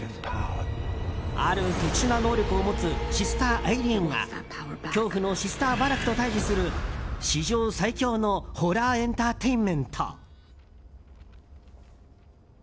ある特殊な能力を持つシスター・アイリーンが恐怖のシスター・ヴァラクと対峙する史上最恐のホラーエンターテインメント。